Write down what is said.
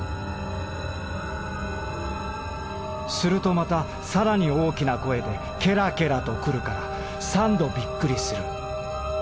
「するとまたさらに大きな声で『ケラケラ』とくるから三度びっくりする。